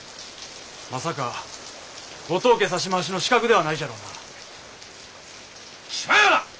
まさか御当家差し回しの刺客ではないじゃろうな。